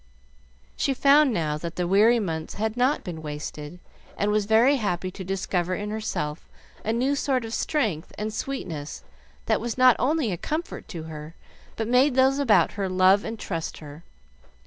She found now that the weary months had not been wasted, and was very happy to discover in herself a new sort of strength and sweetness that was not only a comfort to her, but made those about her love and trust her.